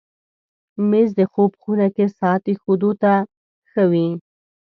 مېز د خوب خونه کې ساعت ایښودو ته ښه وي.